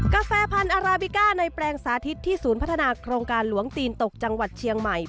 กาแฟพันธ์อาราบิก้าในแปลงสาธิตที่ศูนย์พัฒนาโครงการหลวงตีนตกจังหวัดเชียงใหม่